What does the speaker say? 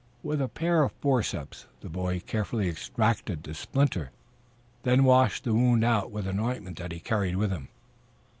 With a pair of forceps the boy carefully extracted the splinter, then washed the wound out with an ointment that he carried with him.